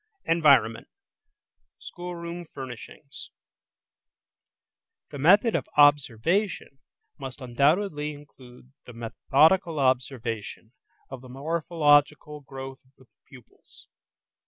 ENVIRONMENT: SCHOOLROOM FURNISHINGS The method of observation must undoubtedly include the methodical observation of the morphological growth of the pupils.